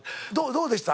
どうでした？